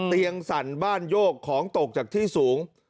สั่นบ้านโยกของตกจากที่สูง